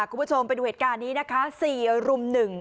คุณผู้ชมไปดูเหตุการณ์นี้นะคะ๔รุ่ม๑